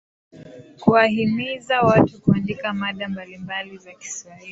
Kuwahimiza watu kuandika mada mbalimbali za Kiswahili